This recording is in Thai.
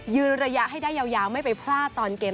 ยืนระยะให้ได้ยาวไม่ไปพลาดตอนเกม